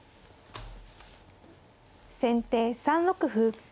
先手３六歩。